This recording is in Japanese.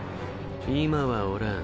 今はおらん。